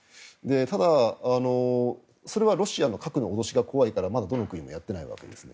ただ、それはロシアの核の脅しが怖いからまだどの国もやってないわけです。